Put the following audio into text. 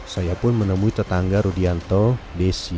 saya pun menemui tetangga rudianto desi